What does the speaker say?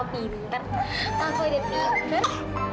kamu pinter kamu pinter